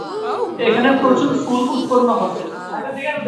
এখানে প্রচুর ফুল উৎপন্ন হত।